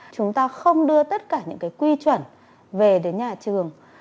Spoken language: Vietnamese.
chúng ta không đưa tất cả những cái quy chuẩn về đến nhà trường